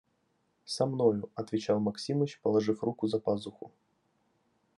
– Со мною, – отвечал Максимыч, положив руку за пазуху.